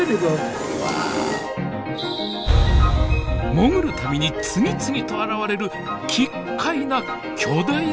潜る度に次々と現れる奇っ怪な巨大生物たち。